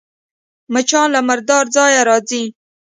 مچان له مرداره ځایه راځي